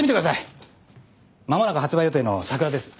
間もなく発売予定の「さくら」です。